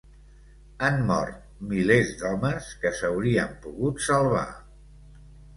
Han mort milers d'homes que s'haurien pogut salvar.